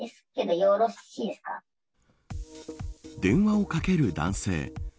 電話をかける男性。